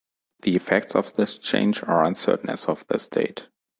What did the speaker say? The effects of this change are uncertain as of this date.